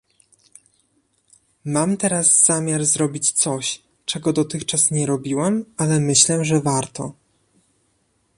Mam teraz zamiar zrobić coś, czego dotychczas nie robiłam, ale myślę, że warto